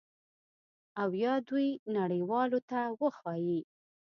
او یا دوی نړیوالو ته وښایي